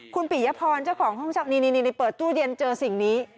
คุณปิยพรเจ้าของห้องเช่านี่เปิดตู้เย็นเจอสิ่งนี้